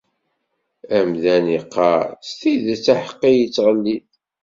Amdan iqqar: S tidet, aḥeqqi yettɣellit.